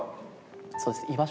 そうです。